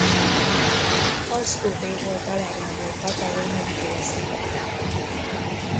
Az övé volt a legnagyobb hatalom a félszigeten.